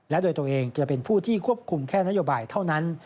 และโดยตัวเองจะเป็นผู้ที่ควบคุมแค่นโยบายเท่านั้น